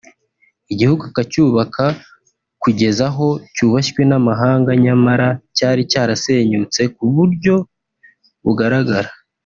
igihugu akacyubaka kugeza aho cyubashywe n’amahanga nyamara cyari cyarasenyutse mu buryo bugaragara